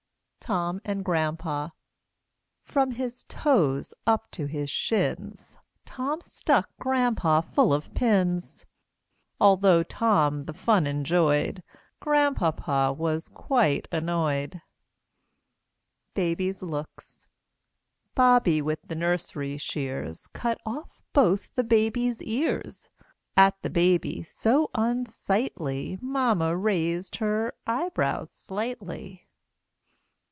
TOM AND GRANDPA From his toes up to his shins Tom stuck Grandpa full of pins; Although Tom the fun enjoyed, Grandpapa was quite annoyed. BABY'S LOOKS Bobby with the nursery shears Cut off both the baby's ears; At the baby, so unsightly, Mamma raised her eyebrows slightly.